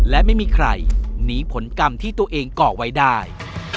และไม่มีใครหนีผลกรรมที่ตัวเองก่อไว้ได้